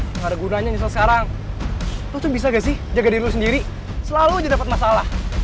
nggak ada gunanya nyesel sekarang lo tuh bisa nggak sih jaga diri lo sendiri selalu aja dapet masalah